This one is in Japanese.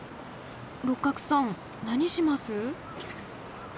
六角さん何します？